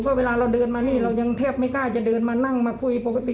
เพราะเวลาเราเดินมานี่เรายังแทบไม่กล้าจะเดินมานั่งมาคุยปกติ